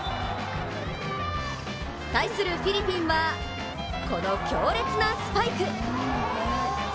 対するフィリピンはこの強烈なスパイク